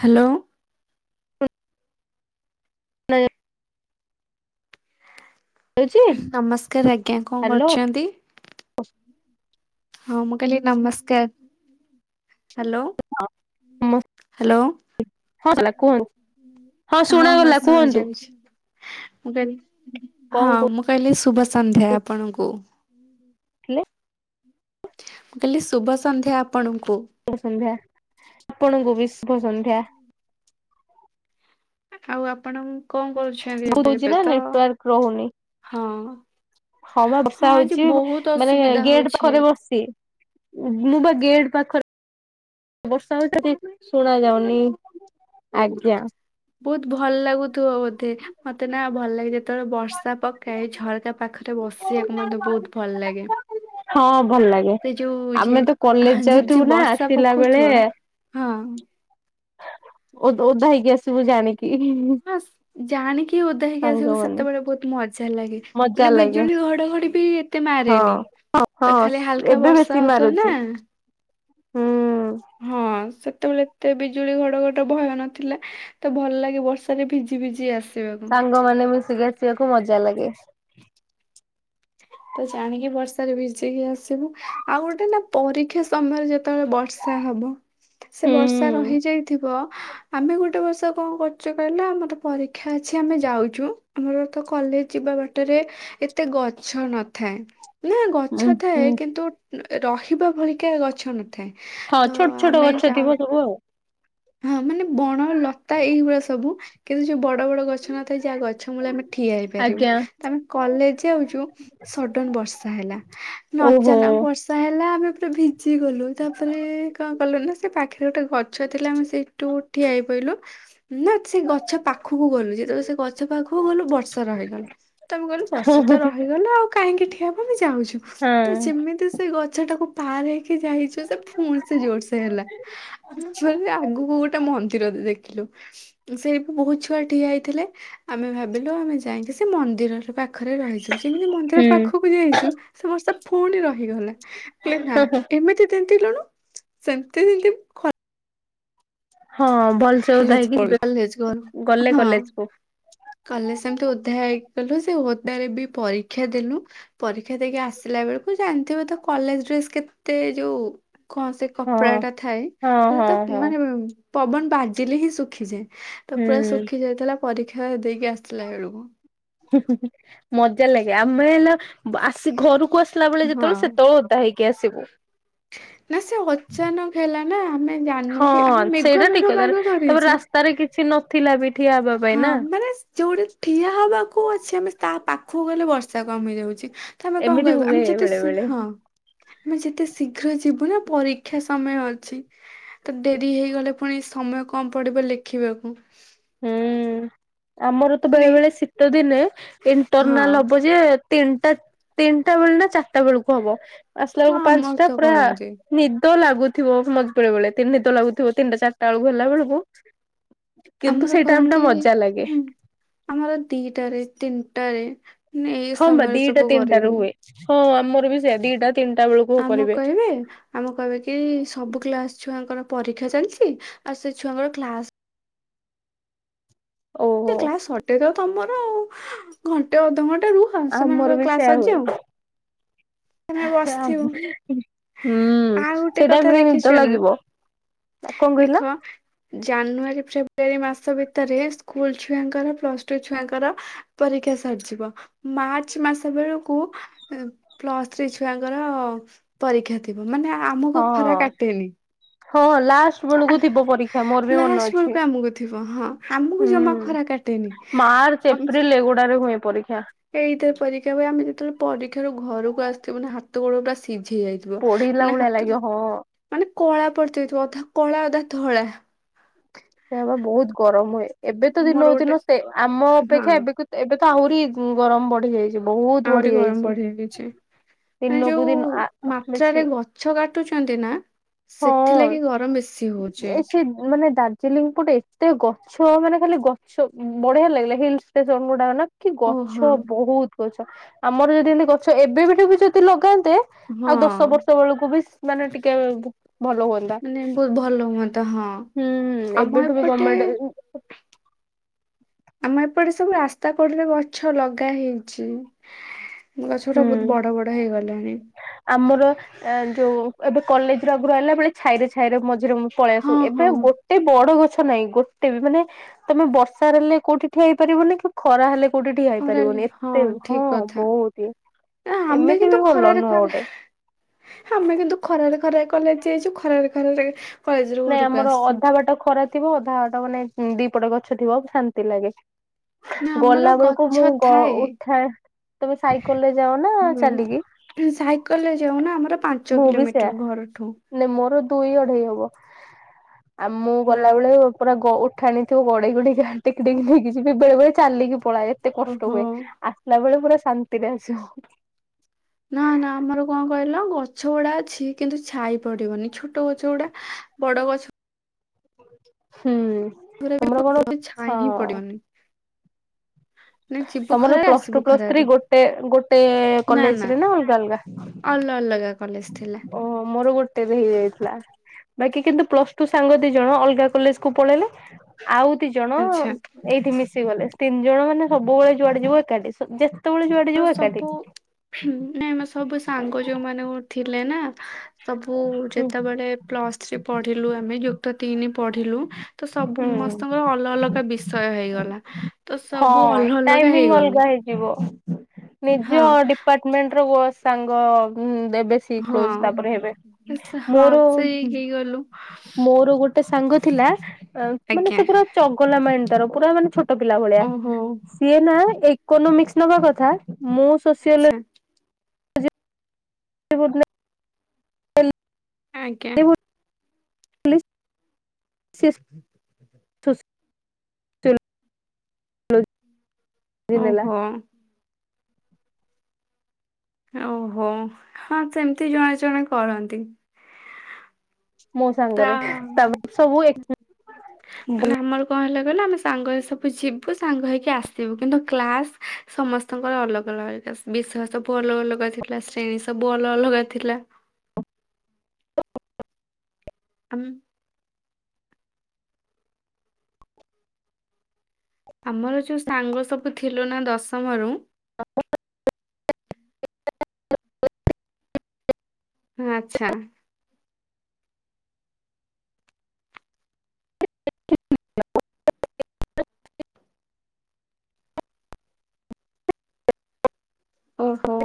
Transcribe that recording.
Hello. ନ ଏ ଯାଉଛି ନମସ୍କାର ଆଜ୍ଞା। କଣ ହ୍ୟାଲୋ କରୁଛନ୍ତି? ହଁ ମୁଁ କହିଲି ନମସ୍କାର। ହ୍ୟାଲୋ ହଁ ସମ୍ ହ୍ୟାଲୋ ହଁ ସଲା କୁହନ୍ତୁ। ହଁ ଶୁଣାଗଲା କୁହନ୍ତୁ। ମୁଁ କହିଲି ହଁ କଣ ମୁଁ କହିଲି ଶୁଭ ସନ୍ଧ୍ୟା ଆପଣଙ୍କୁ। କହୁଥିଲେ ମୁଁ କହିଲି ଶୁଭ ସନ୍ଧ୍ୟା ଆପଣଙ୍କୁ। ଶୁଭ ସନ୍ଧ୍ୟା ଆପଣଙ୍କୁ ବି ଶୁଭ ସନ୍ଧ୍ୟା। ଆଉ ଆପଣ କଣ କରୁଛନ୍ତି? ଏବେ ହଉଛି ଏବେ ନା ତ ନେଟୱାର୍କ ରହୁନି ହଁ। ହଁ ପା ବର୍ଷା ଆଜି ହଉଛି ବ ବହୁତ ମାନେ ଅସୁବିଧା ଗେଟ ହଉଛି। ପାଖରେ ବସିଛି। ମୁଁ ବା ଗେଟ ପାଖ ବର୍ଷା ହଉଚି ତ ଟିକ ଶୁଣା ଯାଉନି ଆଜ୍ଞା। ବହୁତ ଭଲ ଲାଗୁଥିବ ବୋଧେ ମତେ ନା ଭଲ ଲାଗି ଯେତେବେଳେ ବର୍ଷା ପକାଏ ଝରକା ପାଖରେ ବସିବାକୁ ମତେ ବହୁତ ଭଲ ଲାଗେ। ହଁ ଭଲ ଲାଗେ ସେ ଯୋଉ ଝି ଆମେ ତ କଲେଜ ଝିପ ଯାଉଥିବୁ ଝିପ ନା ବର୍ଷା ଆସିଲା ପକଉଥିବା ହଁ। ଓ- ଓଧା ହେଇକି ଆସିବୁ ଜାଣିକି। ହଁ ଜାଣିକି ଓଧା ହେଇକି ଆସିବାକୁ ସାଙ୍ଗମାନେ ସେତେବେଳେ ବହୁତ ମଜା ଲାଗେ। ମଜା ମାନେ ଲାଗେ ବିଜୁଳି ଘଡଘଡି ବି ଏତେ ମାରେନି ହଁ। ତ ହଁ ଖାଲି ହାଲକା ଏବେ ବେଶୀ ବର୍ଷା ହଉଥିବ ମାରୁଛି ନା। ହୁଁ। ହଁ ସେତେବେଳେ ଏତେ ବିଜୁଳି ଘଡ ଘଟି ଭୟ ନଥିଲା। ତ ଭଲ ଲାଗେ ବର୍ଷାରେ ଭିଜି ଫିଜି ଆସିବାକୁ। ସାଙ୍ଗ ମାନେ ମିଶି ଆସିବାକୁ ମଜା ଲାଗେ। ତ ଜାଣିକି ବର୍ଷାରେ ଭିଜେଇକି ଆସିବୁ ଆଉ ଗୋଟେ ନା ପରୀକ୍ଷା ସମୟରେ ଯେତେବେଳେ ବର୍ଷା ହବ ସେ ହୁଁ ବର୍ଷା ରହିଯାଇଥିବ। ଆମେ ଗୋଟେ ବର୍ଷ କଣ କରୁଛୁ କହିଲ ଆମର ପରୀକ୍ଷା ଅଛି ଆମେ ଯାଉଛୁ ଆମର ତ କଲେଜ ଯିବା ବାଟରେ ଏତେ ଗ ଗଛ ନଥାଏ ନା ଉଁ ଗଛ ଥାଏ ହୁଁ କିନ୍ତୁ ରହିବା ଭଳିିକା ଗଛ ନ ଥା ହଁ ଛୋଟ ଛୋଟ ଗଛ ଥିବ ସବୁ ଆଉ। ହଁ ମାନେ ବଣ ଲତା ଏଇଭଳିଆ ସବୁ କିନ୍ତୁ ଯୋଉ ବଡ ବଡ ଗଛ ନଥାଏ ଯାହା ଗଛ ମୂଳେ ଆମେ ଠିଆ ହେଇପାରିବୁ ଆଜ୍ଞା। ତ ଆମେ କଲେଜ ଯାଉଚୁ। ସଡନ ବର୍ଷା ହେଲା ନା ଓହୋ ଅଚାନକ ବର୍ଷା ହେଲା ଆମେ ପୁରା ଭି ଜି ଗଲୁ ତାପରେ କଣ କଲୁ ନା ସେ ପାଖରେ ଗୋଟେ ଗ ଗଛ ଥିଲା ଆମେ ସେଇଠୁ ଠିଆ ହେଇ ପଇଲୁ। ନା ସେ ଗଛ ପାଖକୁ ଗଲୁ ଯେତେବେଳେ ସେ ଗଛ ପାଖକୁ ଗଲୁ ବ ବର୍ଷା ରହିଗଲା ତ ଆମେ କହିଲୁ ହଁ ବର୍ଷା ତ ରହିଗଲା ଆଉ କାହିଁକି ଠିଆ ହବୁ ଆମେ ଯାଉଛୁ। ତ ଯେମିତି ସେ ଗଛ ଟାକୁ ପାର ହେଇକି ଯାଇଛୁ ସେ ଫୁଣି ସେ ଜୋରସେ ହେଲା। ଛୁଆ ଆଗକୁ ଗୋଟେ ମନ୍ଦିର ଦେ ଦେଖିଲୁ। ସେ ବି ବହୁତ ଛୁଆ ଠିଆ ହେଇଥିଲେ। ଆମେ ଭାବିଲୁ ଆମେ ଯାଇକି ସେ ମନ୍ଦିରରେ ପାଖ ପାଖରେ ରହିଯିବୁ ଯେମିତି ମନ୍ଦିର ହୁଁ। ପାଖକୁ ଯାଇଛୁ ସେ ବର୍ଷା ଫୁଣି ରହିଗଲା। କହିଲି ନା ଏମିତି ତିନ୍ତିଲୁଣି ସେମନ୍ତି ତିନ୍ତିବୁ ଖ ହଁ ଭଲସେ ଓଦା କଲେଜ ହେଇକି ପଳେଇ ଯିବେ କଲେଜ ଗଲୁ ଗଲେ ହଁ। କଲେଜ କୁ। କଲେଜ ସେମତି ଓଦା ହେଇକି ଗଲୁ ସେ ଓଦାରେ ବି ପରୀକ୍ଷା ଦେଲୁ। ପରୀକ୍ଷା ଦେଇକି ଆସିଲା ବେଳକୁ ଜାଣିଥିବ ତ କଲେଜ ଡ୍ରେସ କେତେ ଯୋଉ କଣ ସେ କପଡା ହଁ। ଟା ଥାଏ ହଁ ସେଟା ହଁ ତ ହଁ ମାନେ ପବନ ବାଜିଲେ ହିଁ ଶୁଖିଯାଏ। ତ ପୁରା ହୁଁ ଶୁଖି ଯାଇଥିଲା ପରୀକ୍ଷା ଦେଇକି ଆସିଲା ବେଳକୁ। ହୁଁ ହୁଁ ହୁଁ ମଜା ଲାଗେ ଆମେ ହେଲା ବା ଆସି ଘରକୁ ଆସିଲା ବେଳେ ହଁ ଯେତେବେଳେ ସେତେବେଳେ ଓଦା ହେଇ କି ଆସିବୁ। ନା ସେ ଅଚାନକ ହେଲା। ନା ଆମେ ଜାଣିନୁ ହଁ କି ଆମେ ମେଘ ମେଘ ପାଗ କରିଛି। ଛି ନଥିଲା ବି ଠିଆ ହବା ପାଇଁ ହଁ ନା। ମାନେ ଯୋଉଠି ଠିଆ ହବାକୁ ଅଛି ଆମେ ତା ପାଖକୁ ଗଲେ ବର୍ଷା କମିଯାଉଛି। ତ ଆମେ କଣ ଏମିତି କହିବୁ ହୁଏ ଆମେ ଯେତେ ବେଳେ ଶି ବେଳେ ହଁ। ଆମେ ଯେତେ ଶୀଘ୍ର ଯିବୁ ନା ପରୀକ୍ଷା ସମୟ ଅଛି। ତ ଡେରି ହେଇଗଲେ ପୁଣି ସମୟ କମ୍ ପଡିବ ଲେଖିବାକୁ। ହୁଁ ଆମର ତ ବେଳେ ମାନେ ବେଳେ ଶୀତ ଦିନେ ହଁ ଇଣ୍ଟରନାଲ ହବ ଯେ ତିନିଟା ତିନିଟା ବେଳେ ନା ଚାରିଟା ବେଳକୁ ହବ ଆସିଲା ହଁ ବେଳକୁ ଆମର ପାଞ୍ଚଟା ତ ପୁରା କରନ୍ତି ନିଦ ଲାଗୁଥିବ ମ ବେଳେ ବେଳେ ନିଦ ଲାଗୁଥିବ ତିନିଟା ଚାରିଟା ବେଳକୁ ହେଲା ବେଳକୁ। କିନ୍ତୁ ଆମର ସେଇ ଟାଇମ ଟା କରନ୍ତି ମଜା ଲାଗେ ଆମର ଦିଟାରେ ତିନିଟାରେ। ନେ ଏଇ ହଁ ବା ସମୟରେ ଦିଟା ସବୁ ତିନିଟା ରୁ କରିବେନି। ହୁଏ। ହଁ ଆମର ବି ସେଇଆ ଦିଟା ତିନିଟା ବେଳ ଆମକୁ କହିବେ। ଆମକୁ କହିବେ କି ସବୁ କ୍ଳାସ ଛୁଆଙ୍କର ପରୀକ୍ଷା ଚାଲିଛି ଆଉ ସେ ଛୁଆଙ୍କର କ୍ଲାସ ଓହୋ କ୍ଲାସ ସଟେଜ ଉ ତମର ଆଉ ଘଣ୍ଟେ ଅଧଘଣ୍ଟେ ରୁ ଆମର ବି ସେୟା ହୁଏ ଆମେ ଆ ବସିଥିବୁ [inaudible] ହୁଁ ଆଉ ଗୋଟେ ସେଇ କଥା ଟାଇମ୍ ରେ ଦେଖିଛ ନିଦ ନା ଲାଗିବ। କଣ କହିଲ? ଦେଖ ଜାନୁଆରୀ ଫେବୃୟାରୀ ମାସ ଭିତରେ ସ୍କୁଲ୍ ଛୁଆଙ୍କର ପ୍ଲସ୍ ଟୁ ଛୁଆଙ୍କର ପରୀକ୍ଷା ସରିଯିବ। ମାର୍ଚ୍ଚ ମାସ ବେଳକୁ ପ୍ଲସ୍ ଥ୍ରୀ ଛୁଆଙ୍କର ପରୀକ୍ଷା ଥିବ ମାନେ ହଁ ଆମକୁ ଖରା କାଟେନି। ହଁ ଲାଷ୍ଟ ବେଳକୁ ଥିବ ପରୀକ୍ଷା ମୋର ବି ମନ ଲାଷ୍ଟ ଅଛି ବେଳକୁ ଆମକୁ ଥିବ ହଁ ଆମକୁ ହୁଁ। ଜମା ଖରା କାଟେନି ମାର୍ଚ୍ଚ ଏପ୍ରିଲ ଏଗୁଡ଼ାରେ ହୁଏ ପରୀକ୍ଷା। ଏଇଥିରେ ପରୀକ୍ଷା ପାଇଁ ଆମେ ଯେତେବେଳେ ପରୀକ୍ଷାରୁ ଘରକୁ ଆସିଥିବୁ ନା ହାତ ଗୋଡ ଗୁରା ସିଝି ଯାଇ ପୋଡ଼ିଲା ଭଳିଆ ଲାଗିବ ହଁ। ମାନେ କଳା ପଡ଼ିଯାଇଥିବ ଅଧା କଳା ଅଧା ଧଳା। ସେବା ବହୁତ ଗରମ୍ ହୁଏ ଏବେ ତ ମୋର ଦିନକୁ ଗୋଟେ ଦିନ ସେ ଆମ ହଁ ଅପେକ୍ଷା ଏବେକୁ ଏବେ ତ ଆହୁରି ଗରମ ବଢ଼ିଯାଇଛି ବହୁତ ଆହୁରି ବଢ଼ି ଗରମ ଯାଇଛି ବଢିଯାଇଛି ଦିନକୁ ଦିନ ବେଶୀ। ମାଛ କାଟୁଛନ୍ତି ନା ହଁ ସେଥିଲାଗି ଗରମ ବେଶୀ ହଉଛି ଏ ମାନେ ଦାଦ୍ ଚିଲିଙ୍ଗପଟେ ଏତେ ଗଛ ମାନେ ଖାଲି ଗଛ ବଢିଆ ଲାଗିଲା ହିଲ୍ ସ୍ଟେସନ୍ ଗୁଡ଼ାକ ନା କି ଓହୋ ଗଛ ବହୁତ୍ ଗଛ ଆମର ଯଦି ଏମିତି ଗଛ ଏବେ ବିଠି ବି ଯଦି ଲଗାନ୍ତେ। ଆଉ ହଁ ଦଶ ବର୍ଷ ବେଳକୁ ବି ମାନେ ଟିକେ ଭଲ ହୁଅନ୍ତା ହୁଁ ମାନେ ବହୁତ ଭଲ ହୁଅନ୍ତା ହଁ ଆମ ଏବେଠୁ ବି ଏପଟେ ଗମେଟ୍ ଆମ ଏପଟେ ସବୁ ରାସ୍ତା କଡ଼ରେ ଗଛ ଲଗା ହେଇଛି। ମୋ ଗଛ ଗୁଟା ହୁଁ ବହୁତ୍ ବଡ଼ ବଡ଼ ହେଇଗଲାଣି। ଆମର ଯୋଉ ଏବେ କଲେଜ୍ ର ଆଗରୁ ହେଲା ବ ଛାଇରେ ଛାଇରେ ମଝିରେ ମଝି ପଳେଇ ଆସୁ ହଁ ଏବେ ହଁ ଗୋ ଗୋଟେ ବଡ଼ ଗଛ ନାହିଁ ଗୋଟେ ବି ମାନେ ତମେ ବର୍ଷା ହେଲେ କୋଉଠି ଠିଆ ହେଇପାରିବନି କି ଖରା ହେଲେ କୋଉଠି ଠିଆ ଖରାରେ ହେଇପାରିବନି ଏତେ ହଁ ଠିକ କଥା ବହୁତ ହି ନା ଆମେ ଏମିତି କିନ୍ତୁ ବି ଭଲ ଖରାରେ ନୁହଁ ଖରା ଗୋଟେ। ଆମେ କିନ୍ତୁ ଖରାରେ ଖରାରେ କଲେଜ୍ ଯାଇଛୁ ଖରାରେ ଖରାରେ କଲେଜରୁ ନାଇ ଘରକୁ ଆମର ଆସିଛୁ ଅଧା ବାଟ ଖରା ଥିବ ଅଧା ବାଟ ମାନେ ଦିପଟ ଗଛ ଥିବ ଶାନ୍ତି ଲାଗେ। ନା ଗଲା ଆମର ବେଳକୁ ମୁଁ ଗଛ ଥାଏ ଉଠାଏ ତମେ ସାଇକଲ ରେ ଯାଅ ନା ଚାଲିକି? ସାଇକଲ ରେ ଯାଉନା ଆମର ପାଞ୍ଚ କିଲୋମିଟର ଘରଠୁ। ନାଇଁ ମୋର ଦୁଇ ଅଢ଼େଇ ହବ। ଆଉ ମୁଁ ନା ଗଲାବେଳେ ପୁରା ଗଉ ଠାଣିଥିବ ଗଡ଼େଇ ଗଡ଼େଇ ଟେକି ଟେକି ନେଇକି ଯିବି ବେଳେ ବେଳେ ଚାଲିକି ପଳାଏ ଏତେ କଷ୍ଟ ଓହୋ। ହୁଏ। ଆସିଲା ବେଳେ ପୁରା ଶାନ୍ତିରେ ଆସିବ। ନା ନା ଆମର କଣ କହିଲ ଗଛ ଗୁଡ଼ା ଅଛି କିନ୍ତୁ ଛାଇ ପଡି଼ବନି ଛୋଟ ଗଛ ଗୁଡ଼ା। ବଡ଼ ଗଛ। ହୁଁ ଉପରେ ତମର କଣ ଛାଇ ହଁ। ହିଁ ପଡିବନି ନା ଯିବୁ ତମର ଖରାରେ ପ୍ଲସ୍ ଆସିବୁ ଟୁ ପ୍ଲସ୍ ଥ୍ରୀ ଖରାରେ ଗୋଟେ ଗୋଟେ କଲେଜ ରେ ନା ଅଲଗା ଅଲଗା? ନନଗା ଓହୋ ମୋର ଗୋଟେ ଟେକି ହେଇଯାଇଥିଲା ବାକି କିନ୍ତୁ ପ୍ଲସ ଟୁ ସାଙ୍ଗ ଦି ଜଣ ଅଲଗା କଲେଜ କୁ ପଳେଇଲେ ଆଉ ଦି ଜଣ ଆଚ୍ଛା ଏଇଠି ମିଶିଗଲେ ତିନି ଜଣ ମାନେ ସବୁବେଳେ ଯୁଆଡେ ଯିବ ଏକାଠି ଯେତ୍ ମୋର ସବୁ ନାଇଁ ସବୁ ସାଙ୍ଗ ଯୋଉ ମାନ ଥିଲେ ନା ସବୁ ହୁଁ ଯେତେବେଳେ ପ୍ଲସ୍ ଥ୍ରୀ ପଢିଲୁ ଆମେ ଯୁକ୍ତ ତିନି ପଢିଲୁ। ତ ସବୁ ହୁଁ ମସ୍ତଙ୍କର ଅଲଗା ଅଲଗା ବିଷୟ ହେଇଗଲା। ତ ହଁ ସବୁ ଅଲଗା ଅଲଗା ଟାଇମିଂ ହେଇଗଲୁ। ଅଲଗା ହେଇ ଇବ ନିଜ ହଁ ଡିପାର୍ଟମେଣ୍ଟ ର ସାଙ୍ଗ ବ ବେ ସେ କ୍ଲୋସ ହଁ ତାପରେ ହେବେ ସେ- ହଁ ମୋର ସେଇ ହେଇଗଲୁ ମୋର ଗୋଟେ ଗୋଟେ ସାଙ୍ଗ ଥିଲା ମାନେ ଆଜ୍ଞା ସେ ପୁରା ଚଗଲା ମାଇଣ୍ଡ ତାର ପୁରା ମାନେ ଛୋଟ ପିଲା ଭଳିଆ ଓହୋ। ସିଏ ନା ଏଇ ଇକୋନୋମିକ୍ସ ନବା କଥା ମୁଁ ସୋସିଓଲୋଜି ଆଚ୍ଛା [unintelligible] ଆଜ୍ଞା ଲେ ସେ ନେଲା ଓହୋ ଆଉ ହଉ ହଁ ସେମିତି ଜଣେ ଜଣେ କରନ୍ତି। ମୋ ତା ସାଙ୍ଗରେ ତାପରେ ସବୁ ମାନେ ଆମର। କଣ ହେଲେ କହିଲା ଆମେ ସାଙ୍ଗ ଏ ସବୁ ଯିବୁ ସାଙ୍ଗ ହେକି ଆସିବୁ କିନ୍ତୁ କ୍ଲାସ୍ ସମସ୍ତେ ସମଙ୍କର ଅଲଗ ଅଲଗା ବିଷୟ ସବୁ ଅଲଗ ଅଲଗା ଥିଲା ଶ୍ରେଣୀ ସବୁ ଅଲଗ ଅଲଗା ଥିଲା। ଆମ ଆମର ଯୋଉ ସାଙ୍ଗ ସବୁ ଥିଲୁ ନା ଦଶମରୁ ହଁ ଆଚ୍ଛା ଓହୋ।